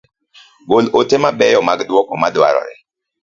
Gol ote ma beyo mag duoko ma dwarore.